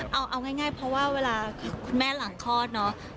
เอาง่ายเพราะว่าเวลาคุณแม่หลังคลอดเนาะ